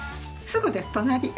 すぐです隣。